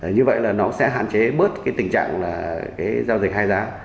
như vậy nó sẽ hạn chế bớt tình trạng giao dịch hai giá